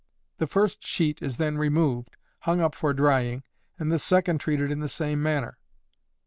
The first sheet is then removed, hung up for drying, and the second treated in the same manner.